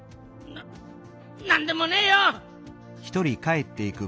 ななんでもねえよ！